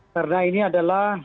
karena ini adalah